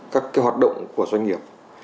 các cái hoạt động của doanh nghiệp